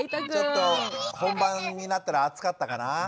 ちょっと本番になったら暑かったかな。